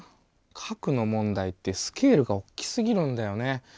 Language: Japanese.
核の問題ってスケールが大きすぎるんだよね。